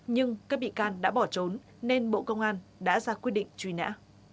nhưng các bị can đã bỏ trốn nên bộ công an đã ra quyết định truy nã